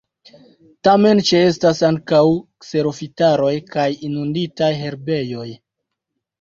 Tamen ĉeestas ankaŭ kserofitaroj kaj inunditaj herbejoj.